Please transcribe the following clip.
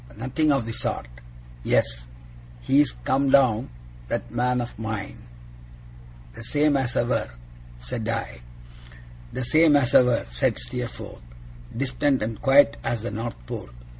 'Nothing of the sort! Yes. He is come down, that man of mine.' 'The same as ever?' said I. 'The same as ever,' said Steerforth. 'Distant and quiet as the North Pole.